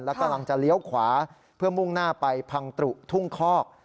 และกำลังจะเลี้ยวขวาเพื่อมุ่งหน้าไปพังตรุทุ่งคอก